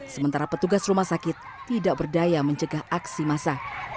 sementara petugas rumah sakit tidak berdaya mencegah aksi massa